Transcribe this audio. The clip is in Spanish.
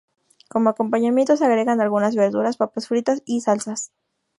Como acompañamiento, se agregan algunas verduras papás fritas y salsas.